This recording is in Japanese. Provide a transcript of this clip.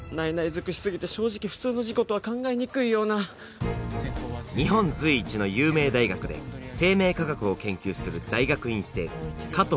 づくしすぎて正直普通の事故とは考えにくいよな日本随一の有名大学で生命科学を研究する大学院生加藤